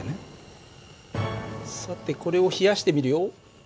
さてこれを冷やしてみるよ。